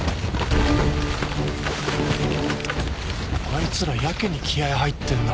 あいつらやけに気合入ってんな。